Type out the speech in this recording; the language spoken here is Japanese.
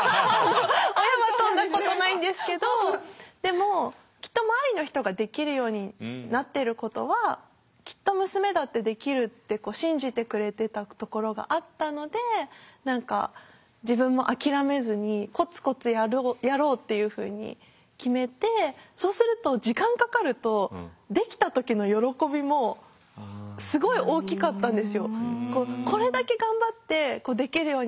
親は跳んだことないんですけどでもきっと周りの人ができるようになってることはきっと娘だってできるって信じてくれてたところがあったので何か自分も諦めずにコツコツやろうっていうふうに決めてそうすると時間かかるとできた時の喜びもすごい大きかったんですよ。